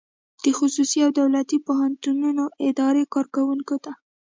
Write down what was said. د خصوصي او دولتي پوهنتونونو اداري کارکوونکو ته